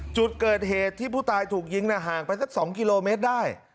จุดเกิดเหตุที่ผู้ตายถูกยิงห่างไปสัก๒กิโลเมตรได้